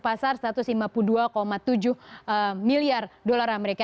pasar satu ratus lima puluh dua tujuh miliar dolar amerika